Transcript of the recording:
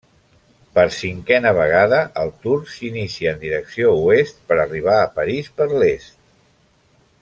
Per cinquena vegada el Tour s'inicia en direcció oest, per arribar a París per l'est.